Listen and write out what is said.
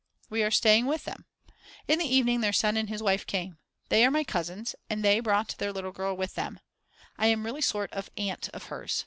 We are staying with them. In the evening their son and his wife came. They are my cousins, and they brought their little girl with them; I am really a sort of aunt of hers.